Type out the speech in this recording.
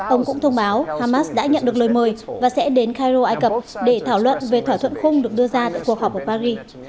ông cũng thông báo hamas đã nhận được lời mời và sẽ đến cairo ai cập để thảo luận về thỏa thuận khung được đưa ra tại cuộc họp ở paris